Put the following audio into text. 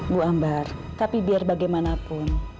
bu ambar tapi biar bagaimanapun